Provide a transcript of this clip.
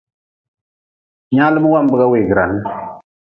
Nyaalm wambga weegran.